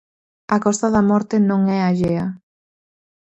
A Costa da Morte non é allea.